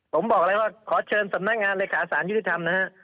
ผมบอกอะไรว่าขอเชิญสำนักงานรกษาสารยุธรรมนะฮะ